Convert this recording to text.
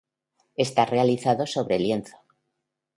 Está realizado sobre lienzo.